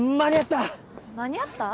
間に合った！